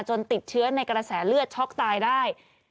ติดเชื้อในกระแสเลือดช็อกตายได้